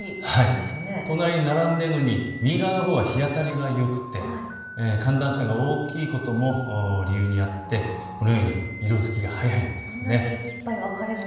隣に並んでいるのに右側のほうは日当たりがよくて寒暖差が大きいことも理由にあってこのように色づきが早いんです。